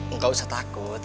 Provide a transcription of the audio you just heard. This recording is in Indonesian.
enggak usah takut